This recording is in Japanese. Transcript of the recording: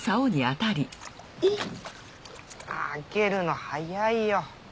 上げるの早いよ。